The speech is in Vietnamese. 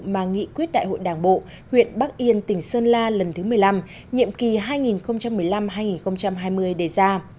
mà nghị quyết đại hội đảng bộ huyện bắc yên tỉnh sơn la lần thứ một mươi năm nhiệm kỳ hai nghìn một mươi năm hai nghìn hai mươi đề ra